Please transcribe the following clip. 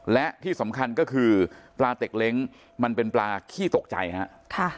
และที่สำคัญก็คือปลาเต็กเล้งมันเป็นปลาขี้ตกใจครับ